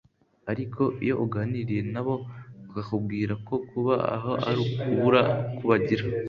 ariko iyo uganiriye nabo bakakubwira ko kuba aho ari ukubura uko bagira